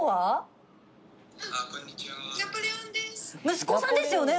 息子さんですよね。